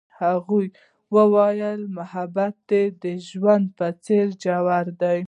هغې وویل محبت یې د ژوند په څېر ژور دی.